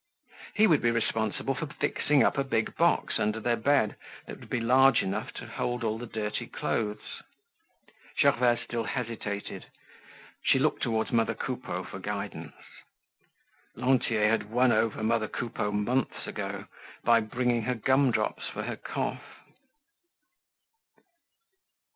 He would be responsible for fixing up a big box under their bed that would be large enough to hold all the dirty clothes. Gervaise still hesitated. She looked toward mother Coupeau for guidance. Lantier had won over mother Coupeau months ago by bringing her gum drops for her cough.